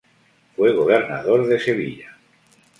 Fue Gobernador de Sevilla.